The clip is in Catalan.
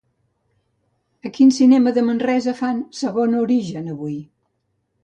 A quin cinema de Manresa fan "Segon origen" avui?